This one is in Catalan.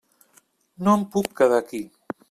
No em puc quedar aquí.